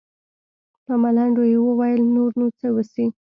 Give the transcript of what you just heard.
په ملنډو يې وويل نور نو څه وسي.